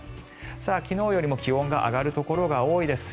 昨日よりも気温が上がるところが多いです。